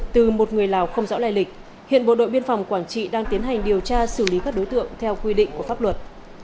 từ một người lào không rõ lai lịch hiện bộ đội biên phòng quảng trị đang tiến hành điều tra xử lý các đối tượng theo quy định của pháp luật